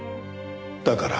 だから。